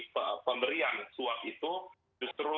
pemberian suap itu justru